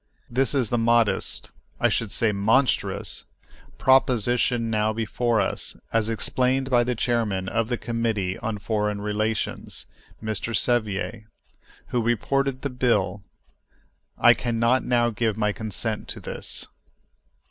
This is the modest—I should say, the monstrous—proposition now before us as explained by the chairman of the committee on foreign relations [Mr. Sevier], who reported the bill. I can not now give my consent to this.